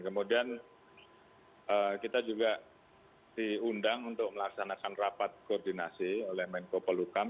kemudian kita juga diundang untuk melaksanakan rapat koordinasi oleh menko pelukam